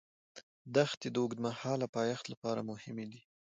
دښتې د اوږدمهاله پایښت لپاره مهمې دي.